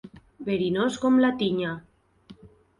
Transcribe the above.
Verinós com la tinya.